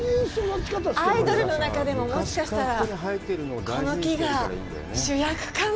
アイドルの中でも、もしかしたらこの木が主役かな？